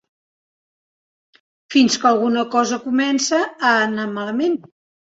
Fins que alguna cosa comença a anar malament.